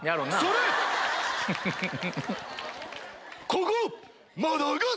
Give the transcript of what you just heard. ここ！